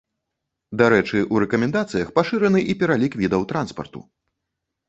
Дарэчы, у рэкамендацыях пашыраны і пералік відаў транспарту.